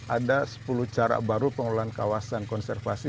ada sepuluh cara baru pengelolaan kawasan konservasi